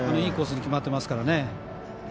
いいコースに決まってますからね。